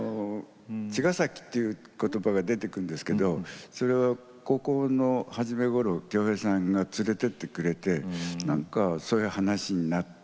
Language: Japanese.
「茅ヶ崎」っていう言葉が出てくるんですけどそれは高校のはじめごろ京平さんが連れてってくれてなんかそういう話になって。